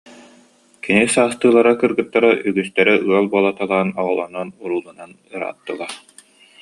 Кини саастыылара кыргыттара үгүстэрэ ыал буолуталаан, оҕолонон-урууланан ырааттылар